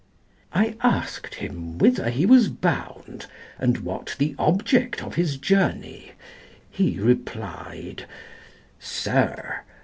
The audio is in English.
—I asked him whither he was bound, and what The object of his journey; he replied "Sir!